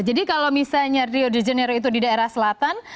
jadi kalau misalnya rio de janeiro itu di daerah selatan